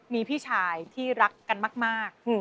มีพี่ชายที่รักกันมาก